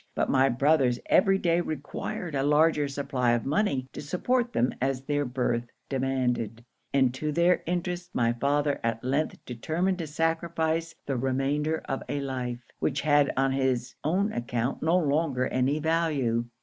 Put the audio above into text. But my brothers every day required a larger supply of money to support them as their birth demanded; and to their interest my father at length determined to sacrifice the remainder of a life, which had on his own account no longer any value.